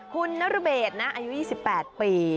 คุณนรเบศนะอายุ๒๘ปี